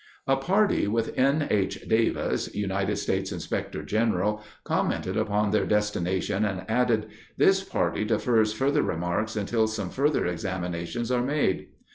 A party with N. H. Davis, United States Inspector General, commented upon their destination and added: "This party defers further remarks until some further examinations are made."